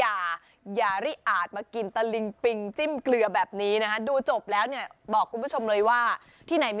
เอาอะไรอย่างเนี่ยดิฉันชอบทานใช่ไหม